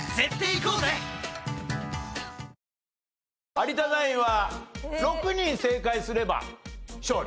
有田ナインは６人正解すれば勝利。